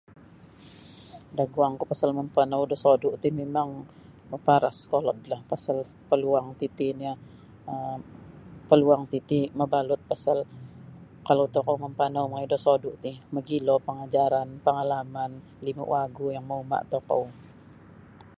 da guangku pasal mempanau do mosodu ti mimang maparas kolod la pasal paluang titi nyo um paluang titi mabalut pasal kalau tokou mempanau mongoi do mosodu ti mogilo pangajaran pangalaman limo wagu yang mauma' tokou